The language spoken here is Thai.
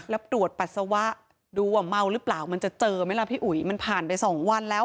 แล้วตรวจปัสสาวะดูว่าเมาหรือเปล่ามันจะเจอไหมล่ะพี่อุ๋ยมันผ่านไปสองวันแล้ว